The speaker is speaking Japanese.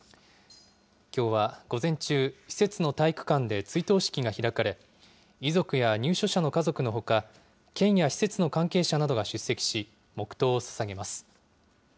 きょうは午前中、施設の体育館で追悼式が開かれ、遺族や入所者の家族のほか、県や施設の関係者などが出席し、黙とうをささげます。